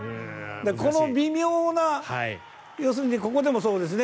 この微妙な要するにここでもそうですね。